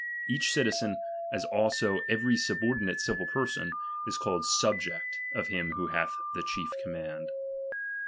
Each citizen, as also every subordinate civil per son, is called the subject of him who hath the chief command.